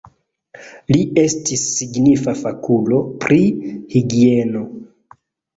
Li estis signifa fakulo pri higieno.